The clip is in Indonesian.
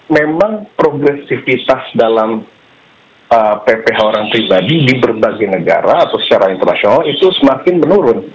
memang progresivitas dalam pph orang pribadi di berbagai negara atau secara internasional itu semakin menurun